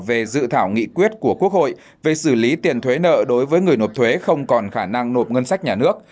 về dự thảo nghị quyết của quốc hội về xử lý tiền thuế nợ đối với người nộp thuế không còn khả năng nộp ngân sách nhà nước